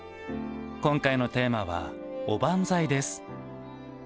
今回のテーマはおばんざいです。